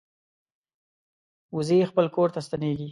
وزې خپل کور ته ستنېږي